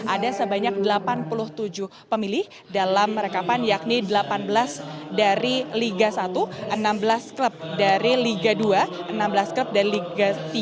ada sebanyak delapan puluh tujuh pemilih dalam rekapan yakni delapan belas dari liga satu enam belas klub dari liga dua enam belas klub dan liga tiga